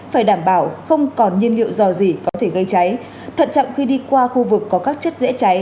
phải đảm bảo không còn nhiên liệu dò gì có thể gây cháy thận trọng khi đi qua khu vực có các chất dễ cháy